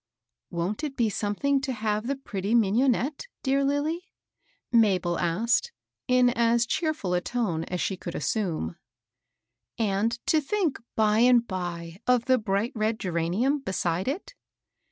" Wont it be something to have the pretty mignonette, dear Lilly ?" Mabel asked, in as cheer THE MOUNTAIN ASH. 145 ful a tone as she could assume ;*^ and to think by and by of the bright red geranium beside it